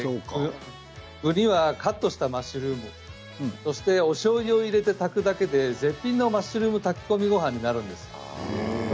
カットしたマッシュルームそしておしょうゆを入れて炊くだけで絶品のマッシュルーム炊き込みごはんになるんです。